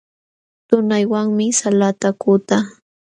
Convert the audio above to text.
Tunaywanmi salata kutaa.